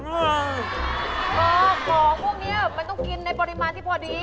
เพราะของพวกนี้มันต้องกินในปริมาณที่พอดี